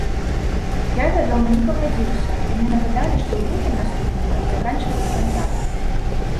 Я, вядома не пагадзіўся, і мне нагадалі, што ў лютым наступнага заканчваецца кантракт.